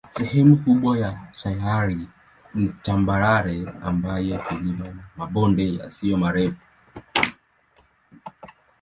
Sehemu kubwa ya sayari ni tambarare yenye vilima na mabonde yasiyo marefu.